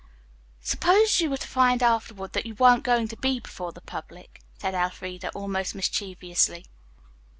"Suppose you were to find afterward that you weren't going to be before the public," said Elfreda almost mischievously.